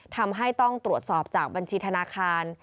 ทำให้ต้องตรวจสอบจากบัญชีธนาคาร